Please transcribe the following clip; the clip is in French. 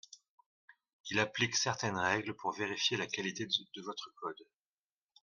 Il applique certaines règles pour vérifier la qualité de votre code.